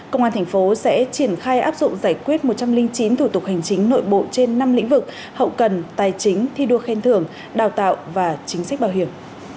công an thành phố sẽ triển khai áp dụng giải quyết một trăm linh chín thủ tục hành chính nội bộ trên năm lĩnh vực hậu cần tài chính thi đua khen thưởng đào tạo và chính sách bảo hiểm